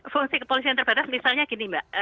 fungsi kepolisian terbatas misalnya gini mbak